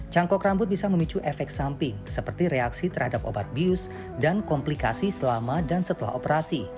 cangkok rambut bisa memicu efek samping seperti reaksi terhadap obat bius dan komplikasi selama dan setelah operasi